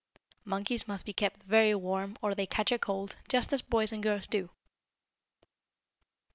Monkeys must be kept very warm, or they catch cold, just as boys and girls do.